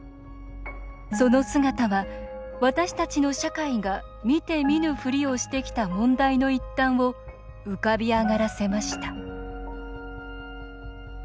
その姿は、私たちの社会が見て見ぬふりをしてきた問題の一端を浮かび上がらせました。